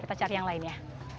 kita cari yang lain ya